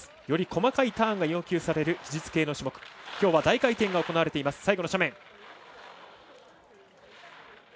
より細かいターンが要求される技術系の種目きょうは大回転が行われています。